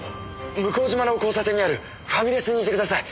向島の交差点にあるファミレスにいてください。